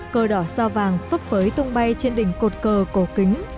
cờ đỏ sao vàng phấp phới tung bay trên đỉnh cột cờ cổ kính